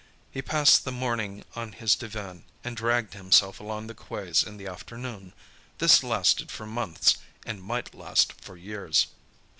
He passed the morning on his divan, and dragged himself along the quays in the afternoon. This lasted for months, and might last for years.